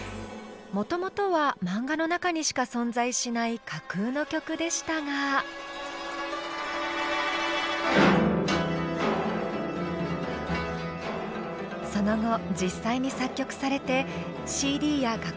もともとはマンガの中にしか存在しない架空の曲でしたがその後実際に作曲されてＣＤや楽譜も作られました。